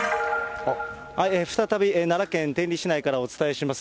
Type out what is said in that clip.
再び奈良県天理市内からお伝えします。